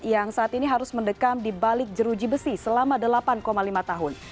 yang saat ini harus mendekam di balik jeruji besi selama delapan lima tahun